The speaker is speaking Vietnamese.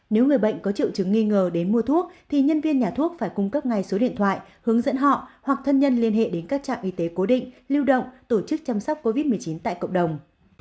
nếu người bệnh có triệu chứng nghi ngờ đến mua thuốc thì nhân viên nhà thuốc phải cung cấp ngay số điện thoại hướng dẫn họ hoặc thân nhân liên hệ đến các trạm y tế cố định lưu động tổ chức chăm sóc covid một mươi chín tại cộng đồng